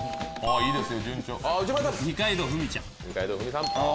いいですね！